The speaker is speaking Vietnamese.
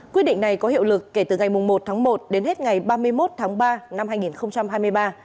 quyết định này có hiệu lực kể từ ngày một tháng một đến hết ngày ba mươi một tháng ba năm hai nghìn hai mươi ba